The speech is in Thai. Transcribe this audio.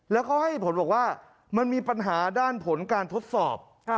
แล้วเขาให้ผลบอกว่ามันมีปัญหาด้านผลการทดสอบ